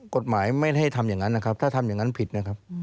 กฎหมายไม่ให้ทำอย่างนั้นนะครับถ้าทำอย่างนั้นผิดนะครับ